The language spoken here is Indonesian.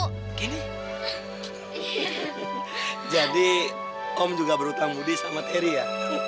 hai gini jadi om juga berhutang budi sama teri ya